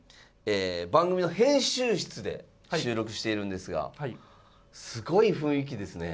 番組の編集室で収録しているんですがすごい雰囲気ですね。